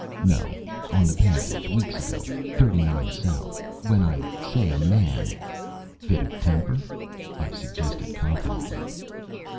"No, on the passage. Weeks ago. Thirty nine south. When I say a man " "Fit of temper," I suggested, confidently.